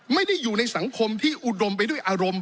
ไม่ได้อยู่ในสังคมที่อุดมไปด้วยอารมณ์